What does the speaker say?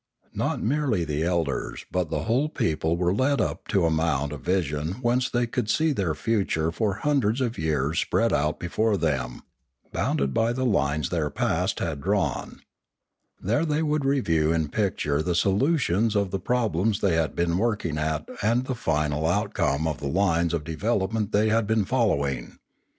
Not merely the elders but the whole people were led up to a mount of vision whence they could see their future for hundreds of years spread out before them, bounded by the lines their past had drawn. There they could view in picture the solutions of the problems they had been working at and the final out The Manora and the Imanora 55 * come of the lines of development they had been fol lowing.